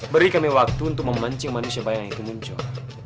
beri kami waktu untuk memancing manusia bayang itu muncul